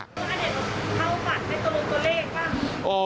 อาเดนเข้าฝั่งในตรงตัวเลขหรือเปล่า